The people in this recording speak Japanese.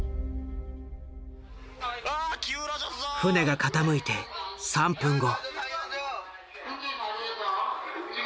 船が傾いて３分後。